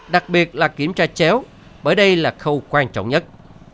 đặc biệt là kiểm tra chéo bởi đây là khâu quan trọng nhất